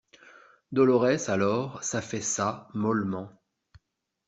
Dolorès, alors, s'affaissa, mollement.